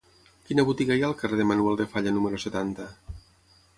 Quina botiga hi ha al carrer de Manuel de Falla número setanta?